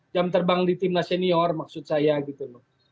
jam terbang di timnas senior maksud saya gitu loh